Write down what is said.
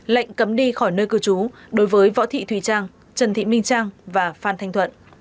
lệnh cấm đi khỏi nơi cư trú đối với võ thị thùy trang trần thị minh trang và phan thanh thuận